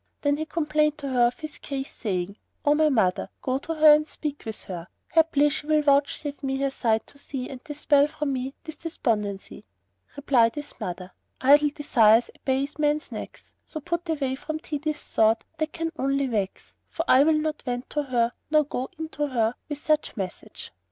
Then he complained to her of his case, saying, "O my mother, go to her and speak with her; haply she will vouchsafe me her sight to see and dispel from me this despondency." Replied his mother, "Idle desires abase men's necks; so put away from thee this thought that can only vex; for I will not wend to her nor go in to her with such message.'